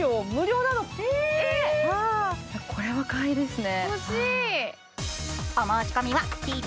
これは買いですね。